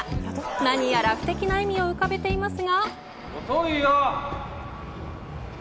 何やら不敵な笑みを浮かべていますが。